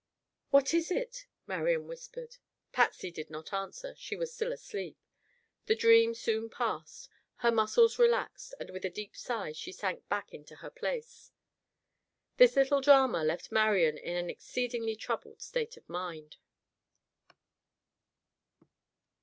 "What is it?" Marian whispered. Patsy did not answer. She was still asleep. The dream soon passed, her muscles relaxed, and with a deep sigh she sank back into her place. This little drama left Marian in an exceedingly troubled state of mind.